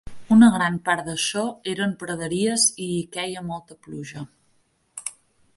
Una gran part d'això eren praderies i hi queia molta pluja.